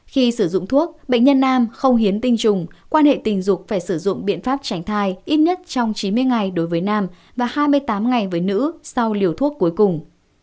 khi sử dụng thuốc bệnh nhân nam không hiến tinh trùng quan hệ tình dục phải sử dụng biện pháp tránh thai ít nhất trong chín mươi ngày đối với nam và hai mươi tám ngày với nữ sau liều thuốc cuối cùng